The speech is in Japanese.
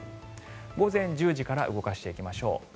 午前１０時から動かしていきましょう。